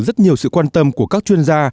rất nhiều sự quan tâm của các chuyên gia